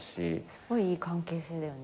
すごいいい関係性だよね。